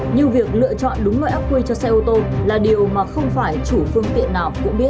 nhưng việc lựa chọn đúng loại ác quy cho xe ô tô là điều mà không phải chủ phương tiện nào cũng biết